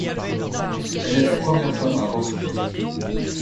Elle est la première femme à avoir ce poste.